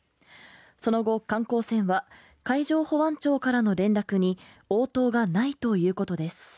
その後、観光船は海上保安庁からの連絡に応答がないということです。